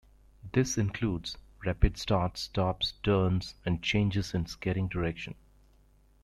This includes rapid starts, stops, turns, and changes in skating direction.